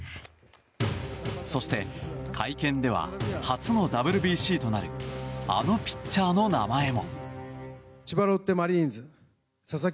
そして、会見では初のＷＢＣとなるあのピッチャーの名前も。